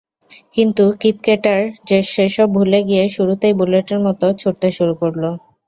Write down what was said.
কিন্তু কিপকেটার সেসব ভুলে গিয়ে শুরুতেই বুলেটের মতো ছুটতে শুরু করল।